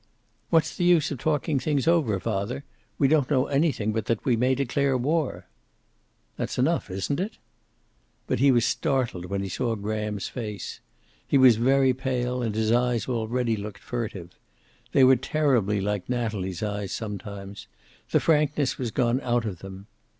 "What's the use of talking things over, father? We don't know anything but that we may declare war." "That's enough, isn't it?" But he was startled when he saw Graham's face. He was very pale and his eyes already looked furtive. They were terribly like Natalie's eyes sometimes. The frankness was gone out of them.